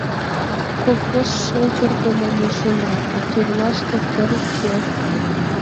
Колхоз шолдыргымым ужына, а тӧрлаш тептерна уке.